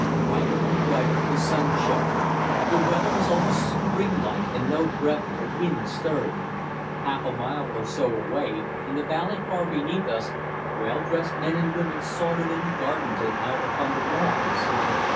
Brighter and brighter the sun shone. The weather was almost spring like and no breath of wind stirred. Half a mile or so away, in the valley far beneath us, well dressed men and women sauntered in the gardens and out upon the lawns.